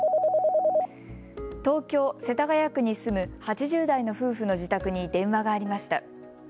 東京・世田谷区に住む８０代の夫婦の自宅に電話がありました。